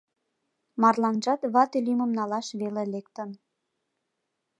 Марланжат вате лӱмым налаш веле лектын.